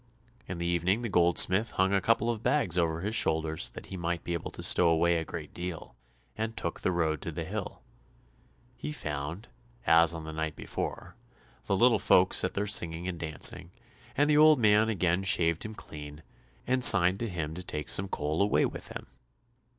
In the evening the goldsmith hung a couple of bags over his shoulders that he might be able to stow away a great deal, and took the road to the hill. He found, as on the night before, the little folks at their singing and dancing, and the old man again shaved him clean, and signed to him to take some coal away with him.